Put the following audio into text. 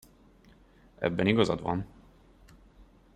Ebben igazad van.